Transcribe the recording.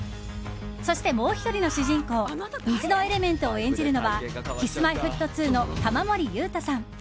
そして、もう１人の主人公水のエレメントを演じるのはＫｉｓ‐Ｍｙ‐Ｆｔ２の玉森裕太さん。